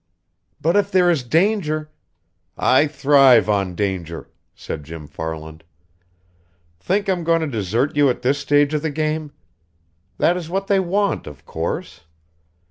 "But, if there is danger " "I thrive on danger," said Jim Farland. "Think I'm going to desert you at this stage of the game? That is what they want, of course.